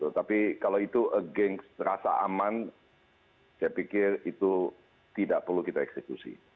tapi kalau itu against rasa aman saya pikir itu tidak perlu kita eksekusi